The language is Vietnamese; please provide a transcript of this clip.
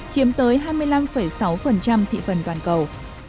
chiếm tới hai mươi năm sáu thị phần toàn cầu